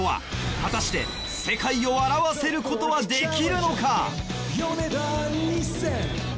果たして世界を笑わせることはできるのか？